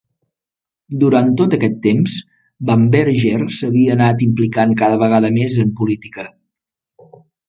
Durant tot aquest temps, Bamberger s'havia anat implicant cada vegada més en política.